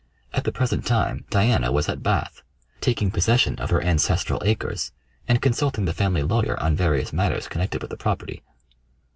At the present time Diana was at Bath, taking possession of her ancestral acres, and consulting the family lawyer on various matters connected with the property.